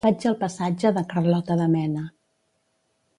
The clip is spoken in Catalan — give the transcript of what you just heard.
Vaig al passatge de Carlota de Mena.